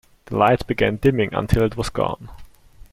The light began dimming until it was gone.